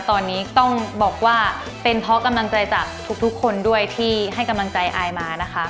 ตอนนี้ต้องบอกว่าเป็นเพราะกำลังใจจากทุกคนด้วยที่ให้กำลังใจอายมานะคะ